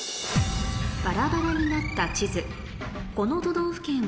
バラバラになった地図